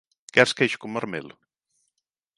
Queres queixo con marmelo?